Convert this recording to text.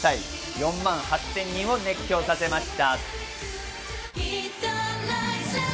４万８０００人を熱狂させました。